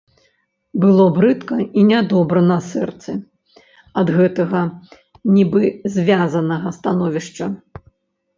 Было брыдка і нядобра на сэрцы ад гэтага, нібы звязанага, становішча.